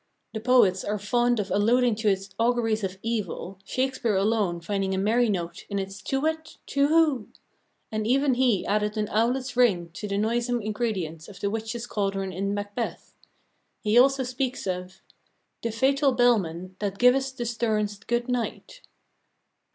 The poets are fond of alluding to its auguries of evil, Shakespeare alone finding a merry note in its "Tu whit, tu whoo," and even he added an "owlet's ring" to the noisome ingredients of the witches' cauldron in Macbeth. He also speaks of The fatal bellman That givest the stern'st good night.